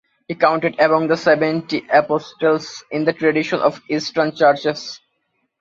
He is counted among the Seventy Apostles in the tradition of the Eastern Churches.